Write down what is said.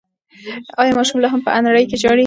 ایا ماشوم لا هم په انړۍ کې ژاړي؟